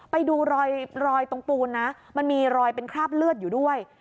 ไปดูรอยตรงปูนนะมันมีรอยเป็นคราบเลือดอยู่ด้วย